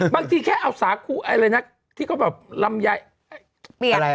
บางทีแค่เอาสาคูอะไรนะที่ก็แบบลำไย